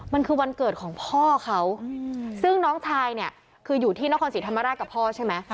มันคือวันเกิดของพ่อเขาซึ่งน้องชายเนี่ยคืออยู่ที่นครศรีธรรมราชกับพ่อใช่ไหม